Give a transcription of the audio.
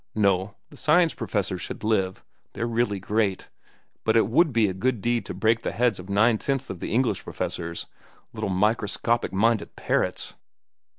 "No; the science professors should live. They're really great. But it would be a good deed to break the heads of nine tenths of the English professors—little, microscopic minded parrots!"